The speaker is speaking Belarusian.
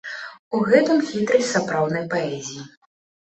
У гэтым хітрасць сапраўднай паэзіі.